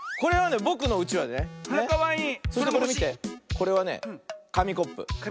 これはねかみコップ。